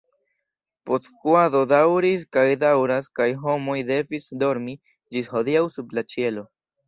Postskuado daŭris kaj daŭras kaj homoj devis dormi ĝis hodiaŭ sub la ĉielo.